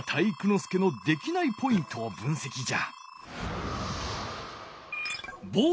介のできないポイントを分せきじゃ。